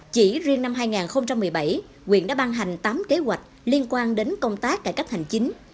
chỉ riêng năm hai nghìn một mươi bảy quyện đã ban hành tám kế hoạch liên quan đến công tác cải cách hành chính